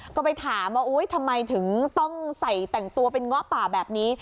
ก็ไปถามว่าอุ๊ยทำไมถึงต้องใส่แต่งตัวเป็นเงาะป่าแบบนี้